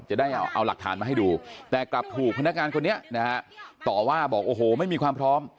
จะได้เอาหลักฐานมาให้ดูแต่กลับถูกพนักงานคนนี้นะฮะต่อว่าบอกโอ้โหไม่มีความพร้อม